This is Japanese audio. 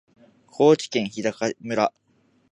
高知県日高村